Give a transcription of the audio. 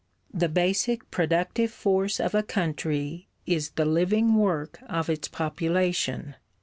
The basic productive force of a country is the living work of its population.